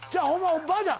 おばあちゃん